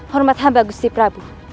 hormat hamba gusti prabu